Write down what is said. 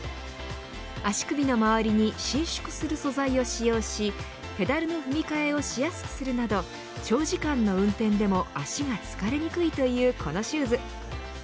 足首の周りに伸縮する素材を使用しペダルの踏み替えをしやすくするなど長時間の運転でも足が疲れにくいというこのシューズ。